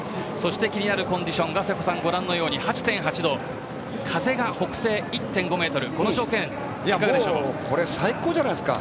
気になるコンディションはご覧のように８．８度風が北西１．５メートル最高じゃないですか。